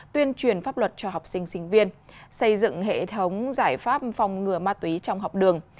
tuyên truyền pháp luật cho học sinh sinh viên xây dựng hệ thống giải pháp phòng ngừa ma túy trong học đường